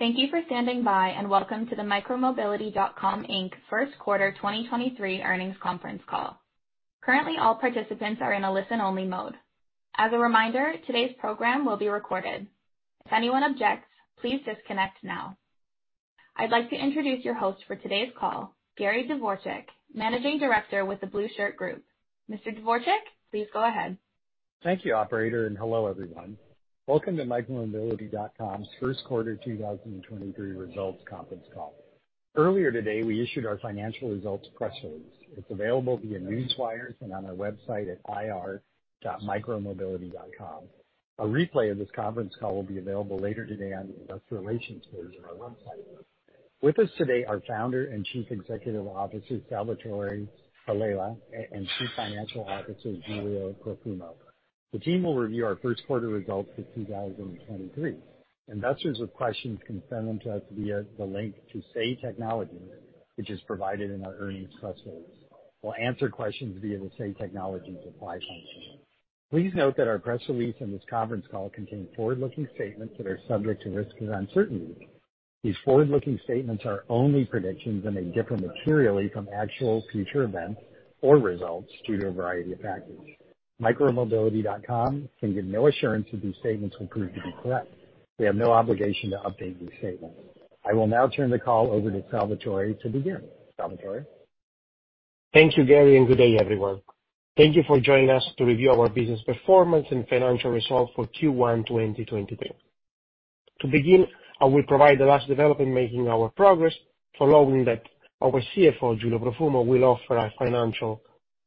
Thank you for standing by, and welcome to the Micromobility.com Inc. first quarter 2023 earnings conference call. Currently, all participants are in a listen-only mode. As a reminder, today's program will be recorded. If anyone objects, please disconnect now. I'd like to introduce your host for today's call, Gary Dvorchak, Managing Director with The Blueshirt Group. Mr. Dvorchak, please go ahead. Thank you, operator, and hello, everyone. Welcome to Micromobility.com's first quarter 2023 results conference call. Earlier today, we issued our financial results press release. It's available via Newswire and on our website at ir.micromobility.com. A replay of this conference call will be available later today on the investor relations page on our website. With us today are Founder and Chief Executive Officer, Salvatore Palella, and Chief Financial Officer, Giulio Profumo. The team will review our first quarter results for 2023. Investors with questions can send them to us via the link to Say Technologies, which is provided in our earnings press release. We'll answer questions via the Say Technologies apply function. Please note that our press release and this conference call contain forward-looking statements that are subject to risks and uncertainties. These forward-looking statements are only predictions and may differ materially from actual future events or results due to a variety of factors. Micromobility.com can give no assurance that these statements will prove to be correct. We have no obligation to update these statements. I will now turn the call over to Salvatore to begin. Salvatore? Thank you, Gary. Good day, everyone. Thank you for joining us to review our business performance and financial results for Q1 2023. To begin, I will provide the last development making our progress. Following that, our CFO, Giulio Profumo, will offer a financial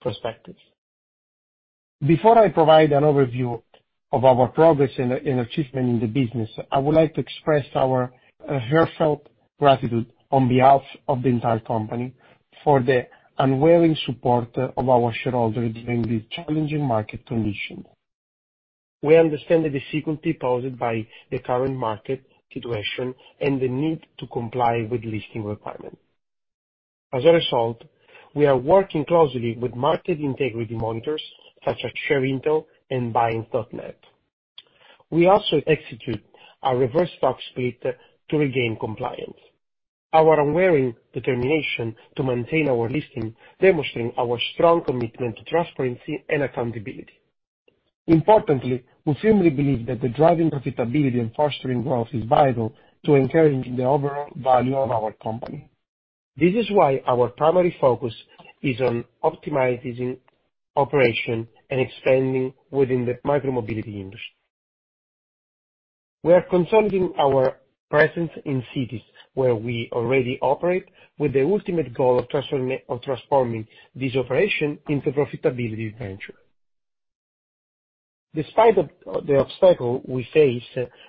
perspective. Before I provide an overview of our progress and achievement in the business, I would like to express our heartfelt gratitude on behalf of the entire company for the unwavering support of our shareholders during these challenging market conditions. We understand the difficulty posed by the current market situation and the need to comply with listing requirements. As a result, we are working closely with market integrity monitors such as ShareIntel and BuyIns.net. We also execute a reverse stock split to regain compliance. Our unwavering determination to maintain our listing, demonstrating our strong commitment to transparency and accountability. Importantly, we firmly believe that driving profitability and fostering growth is vital to encouraging the overall value of our company. This is why our primary focus is on optimizing operation and expanding within the micromobility industry. We are consolidating our presence in cities where we already operate, with the ultimate goal of transforming this operation into profitability venture. Despite the obstacle we face,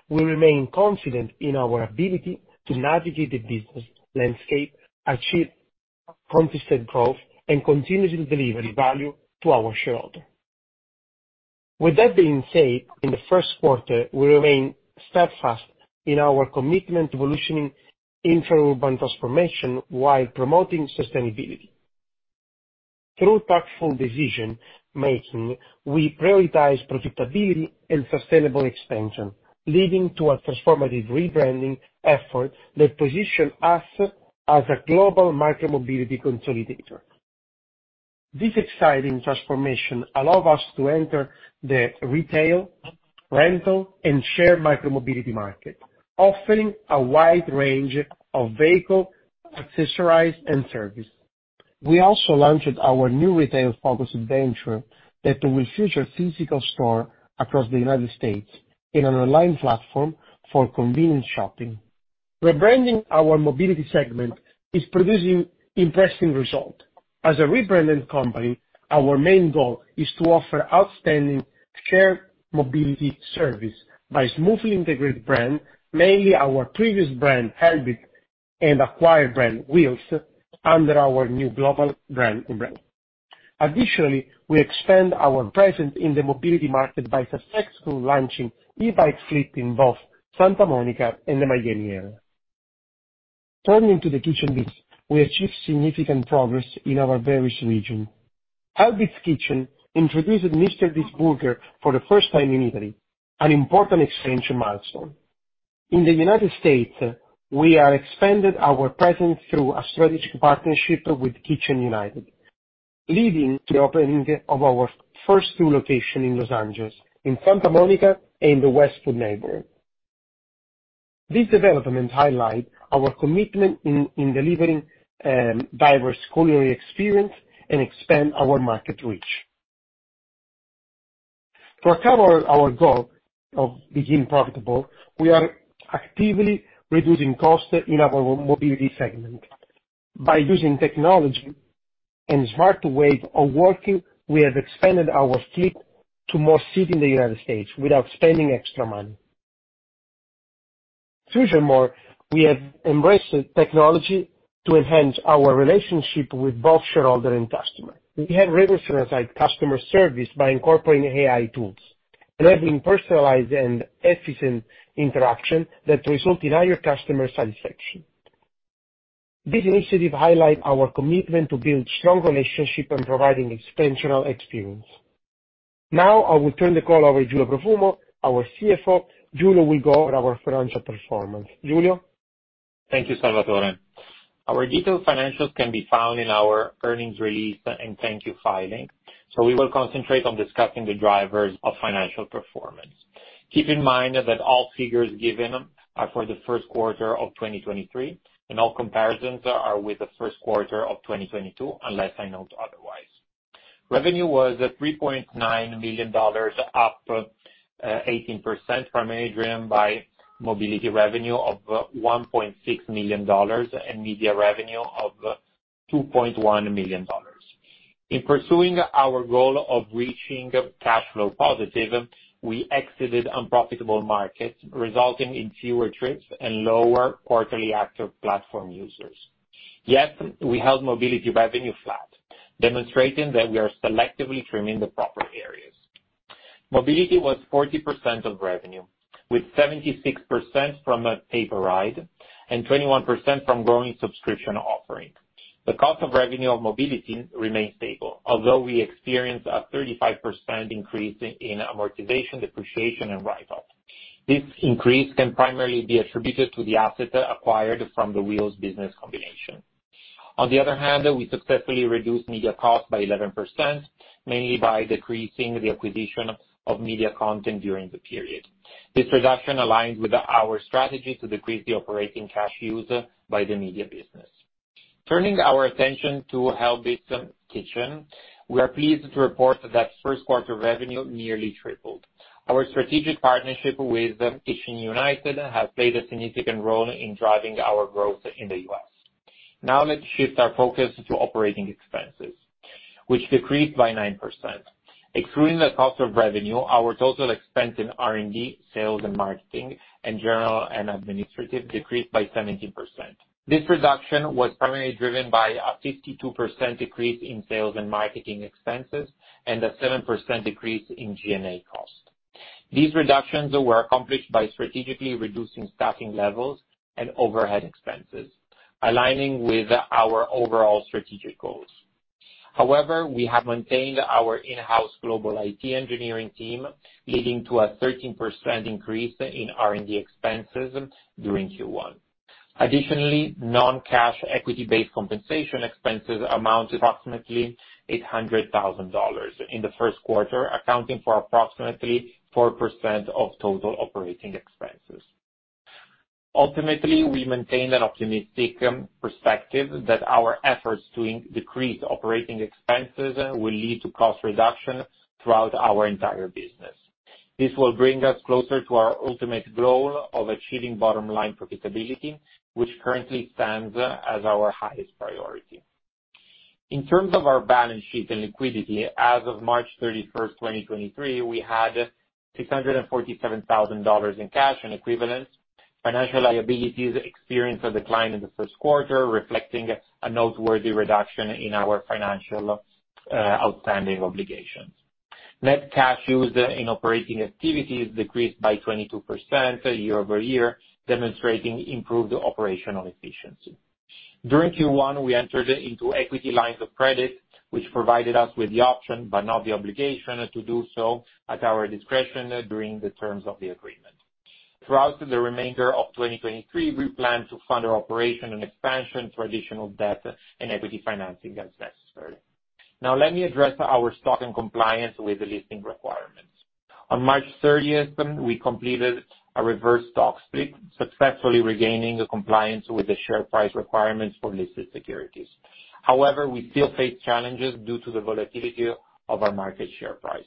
we remain confident in our ability to navigate the business landscape, achieve constant growth, and continue to deliver value to our shareholders. With that being said, in the first quarter, we remain steadfast in our commitment to evolutioning intra-urban transformation while promoting sustainability. Through thoughtful decision making, we prioritize profitability and sustainable expansion, leading to a transformative rebranding effort that position us as a global micromobility consolidator. This exciting transformation allow us to enter the retail, rental, and shared micromobility market, offering a wide range of vehicle, accessories, and service. We also launched our new retail-focused venture that will feature physical store across the United States in an online platform for convenient shopping. Rebranding our mobility segment is producing interesting result. As a rebranded company, our main goal is to offer outstanding shared mobility service by smoothly integrated brand, mainly our previous brand, Helbiz, and acquired brand, Wheels, under our new global brand, Micromobility.com. Additionally, We expand our presence in the mobility market by successfully launching e-bike fleet in both Santa Monica and the Miami area. Turning to the Helbiz Kitchen, we achieved significant progress in our various regions. Helbiz Kitchen introduced MrBeast Burger for the first time in Italy, an important expansion milestone. In the United States, we are expanded our presence through a strategic partnership with Kitchen United, leading to opening of our first two locations in Los Angeles, in Santa Monica and the Westwood neighbor. This development highlight our commitment in delivering diverse culinary experience and expand our market reach. To recover our goal of being profitable, we are actively reducing costs in our mobility segment. By using technology and smart way of working, we have expanded our fleet to more cities in the United States without spending extra money. Furthermore, we have embraced technology to enhance our relationship with both shareholders and customers. We have revolutionized customer service by incorporating AI tools, enabling personalized and efficient interaction that result in higher customer satisfaction. This initiative highlight our commitment to build strong relationship and providing exceptional experience. Now I will turn the call over to Giulio Profumo, our CFO. Giulio will go over our financial performance. Giulio? Thank you, Salvatore. Our detailed financials can be found in our earnings release and 10-Q filing, so we will concentrate on discussing the drivers of financial performance. Keep in mind that all figures given are for the first quarter of 2023, and all comparisons are with the first quarter of 2022, unless I note otherwise. Revenue was at $3.9 million, up 18% from driven by mobility revenue of $1.6 million and media revenue of $2.1 million. In pursuing our role of reaching cash flow positive, we exited unprofitable markets, resulting in fewer trips and lower quarterly active platform users. Yet we held mobility revenue flat, demonstrating that we are selectively trimming the proper areas. Mobility was 40% of revenue, with 76% from a pay-per-ride and 21% from growing subscription offering. The cost of revenue of mobility remained stable, although we experienced a 35% increase in amortization, depreciation, and write-off. This increase can primarily be attributed to the assets acquired from the Wheels business combination. On the other hand, we successfully reduced media costs by 11%, mainly by decreasing the acquisition of media content during the period. This reduction aligns with our strategy to decrease the operating cash use by the media business. Turning our attention to Helbiz Kitchen, we are pleased to report that first quarter revenue nearly tripled. Our strategic partnership with Kitchen United has played a significant role in driving our growth in the U.S. Now let's shift our focus to operating expenses, which decreased by 9%. Excluding the cost of revenue, our total expense in R&D, sales and marketing, and general and administrative decreased by 17%. This reduction was primarily driven by a 52% decrease in sales and marketing expenses and a 7% decrease in G&A costs. These reductions were accomplished by strategically reducing staffing levels and overhead expenses, aligning with our overall strategic goals. However, we have maintained our in-house global IT engineering team, leading to a 13% increase in R&D expenses during Q1. Additionally, non-cash equity-based compensation expenses amount approximately $800,000 in the first quarter, accounting for approximately 4% of total operating expenses. Ultimately, we maintain an optimistic perspective that our efforts to decrease operating expenses will lead to cost reduction throughout our entire business. This will bring us closer to our ultimate goal of achieving bottom-line profitability, which currently stands as our highest priority. In terms of our balance sheet and liquidity, as of March 31st, 2023, we had $647,000 in cash and equivalents. Financial liabilities experienced a decline in the first quarter, reflecting a noteworthy reduction in our financial outstanding obligations. Net cash used in operating activities decreased by 22% year-over-year, demonstrating improved operational efficiency. During Q1, we entered into equity lines of credit, which provided us with the option, but not the obligation, to do so at our discretion during the terms of the agreement. Throughout the remainder of 2023, we plan to fund our operation and expansion through additional debt and equity financing as necessary. Let me address our stock and compliance with the listing requirements. On March 30th, we completed a reverse stock split, successfully regaining compliance with the share price requirements for listed securities. However, we still face challenges due to the volatility of our market share price.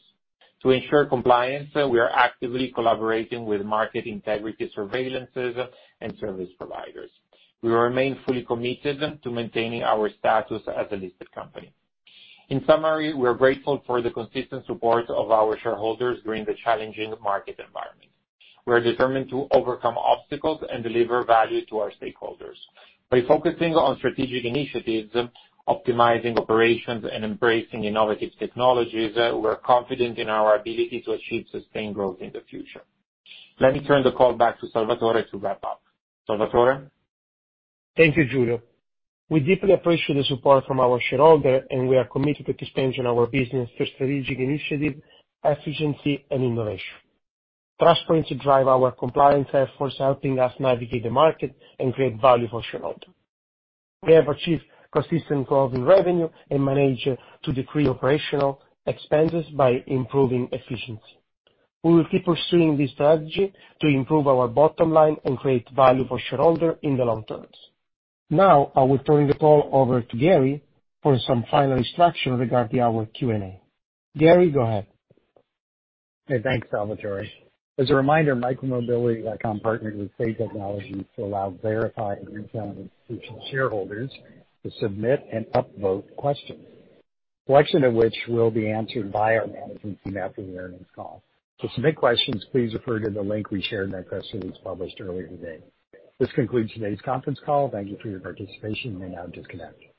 To ensure compliance, we are actively collaborating with market integrity surveillances and service providers. We remain fully committed to maintaining our status as a listed company. In summary, we are grateful for the consistent support of our shareholders during the challenging market environment. We are determined to overcome obstacles and deliver value to our stakeholders. By focusing on strategic initiatives, optimizing operations, and embracing innovative technologies, we're confident in our ability to achieve sustained growth in the future. Let me turn the call back to Salvatore to wrap up. Salvatore? Thank you, Giulio. We deeply appreciate the support from our shareholder, and we are committed to expanding our business through strategic initiative, efficiency, and innovation. Trust points drive our compliance efforts, helping us navigate the market and create value for shareholder. We have achieved consistent growth in revenue and managed to decrease operational expenses by improving efficiency. We will keep pursuing this strategy to improve our bottom line and create value for shareholder in the long terms. Now I will turn the call over to Gary for some final instruction regarding our Q&A. Gary, go ahead. Hey, thanks, Salvatore. As a reminder, Micromobility.com partnered with Say Technologies to allow verified and intended institutional shareholders to submit and upvote questions, selection of which will be answered by our management team after the earnings call. To submit questions, please refer to the link we shared in our press release published earlier today. This concludes today's conference call. Thank you for your participation. You may now disconnect.